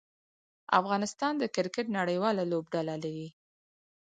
افغانستان د کرکټ نړۍواله لوبډله لري.